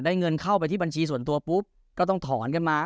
เงินเข้าไปที่บัญชีส่วนตัวปุ๊บก็ต้องถอนกันมา